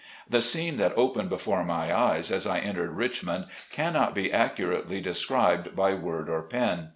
The scene that opened before my eyes as I entered Richmond cannot be accurately described by word or pen.